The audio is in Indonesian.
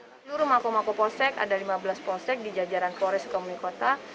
seluruh mako mako polsek ada lima belas polsek di jajaran polres sukabumi kota